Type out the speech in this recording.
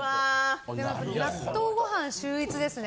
納豆ごはん秀逸ですね。